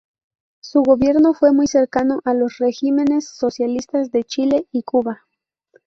Su gobierno fue muy cercano a los regímenes socialistas de Chile y Cuba.